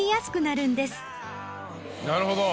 なるほど！